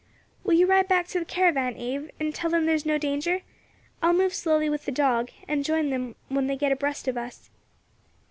"Will you ride back to the caravan, Abe, and tell them there is no danger? I will move slowly with the dog, and join them when they get abreast of us."